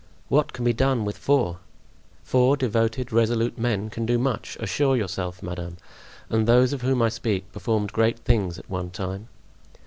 "What can be done with four?" "Four devoted, resolute men can do much, assure yourself, madame; and those of whom I speak performed great things at one time."